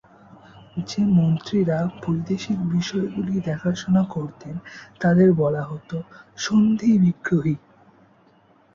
যে মন্ত্রীরা বৈদেশিক বিষয়গুলি দেখাশোনা করতেন, তাদের বলা হত ‘সন্ধিবিগ্রহী’।